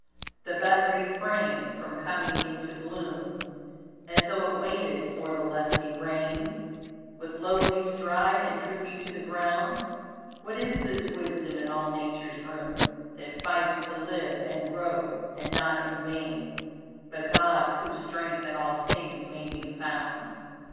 The bud refrained from coming into bloom, As though it waited for the lusty rain, With low leaves dried and drooping to the ground. What is this wisdom in all nature's room That fights to live and grow, and not in vain, But God, whose strength in all things may be found.